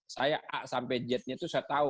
saya a sampai j nya itu saya tahu